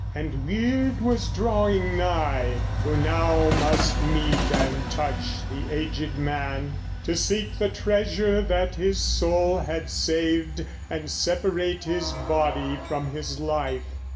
And Wyrd was drawing nigh, Who now must meet and touch the aged man, To seek the treasure that his soul had saved And separate his body from his life.